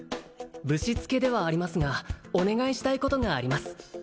ぶしつけではありますがお願いしたいことがあります